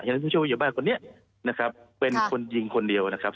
เห็นผู้เยอะบ้านคนนี้นะครับเป็นคนยิงคนเดียวนะครับ